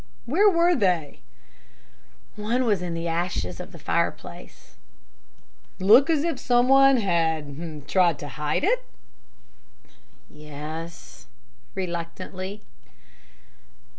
"Where were they?" "One was in the ashes of the fireplace." "Look as if some one had tried to hide it?" "Yes" reluctantly.